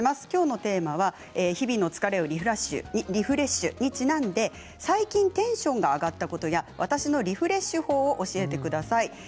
きょうのテーマは日々の疲れ、リフレッシュにちなんで最近テンションが上がったことや私のリフレッシュ法を教えてください。